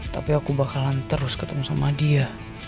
tapi aku bakalan terus ketemu sama dia